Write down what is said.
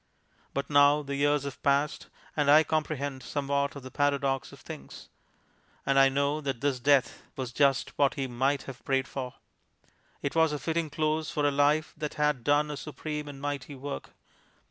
But now the years have passed, and I comprehend somewhat of the paradox of things, and I know that this death was just what he might have prayed for. It was a fitting close for a life that had done a supreme and mighty work.